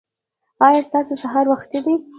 ایا ستاسو سهار وختي دی؟